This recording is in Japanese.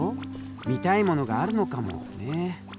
見たいものがあるのかもね。